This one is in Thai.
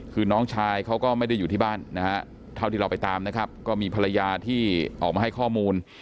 คือน้องชายเขาก็ไม่ได้อยู่ที่บ้านนะฮะเท่าที่เราไปตามนะครับก็มีภรรยาที่ออกมาให้ข้อมูล